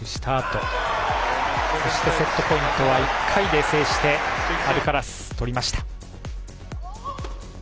そして、セットポイントは１回で制してアルカラス、取りました。